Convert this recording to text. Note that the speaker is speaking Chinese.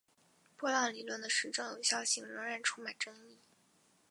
波浪理论的实证有效性仍然充满争议。